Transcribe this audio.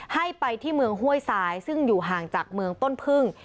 ให้ไปที่เมืองห้วยทรายซึ่งอยู่ห่างจากเมืองต้นพึ่ง